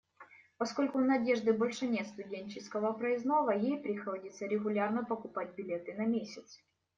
Поскольку у Надежды больше нет студенческого проездного, ей приходится регулярно покупать билеты на месяц.